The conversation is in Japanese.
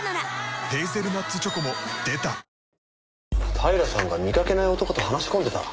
平さんが見かけない男と話し込んでた？